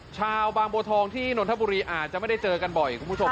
ชาวบางบัวทองที่นนทบุรีอาจจะไม่ได้เจอกันบ่อยคุณผู้ชม